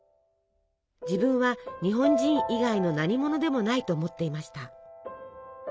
自分は日本人以外のなにものでもないと思っていました。